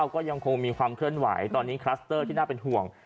ก็ยังคงมีความเคลื่อนไหวตอนนี้คลัสเตอร์ที่น่าเป็นห่วง